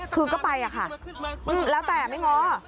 คือก็ไปค่ะหลับแต่ไม่ง้อ